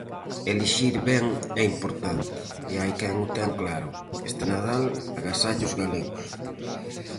Elixir ben é importante e hai quen o ten claro: este Nadal agasallos galegos.